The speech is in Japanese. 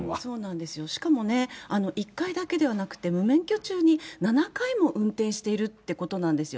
しかもね、１回だけではなくて、無免許中に７回も運転しているってことなんですよ。